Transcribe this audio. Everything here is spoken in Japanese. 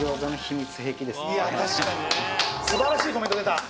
素晴らしいコメント出た！